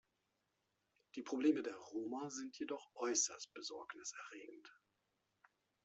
Die Probleme der Roma sind jedoch äußerst besorgniserregend.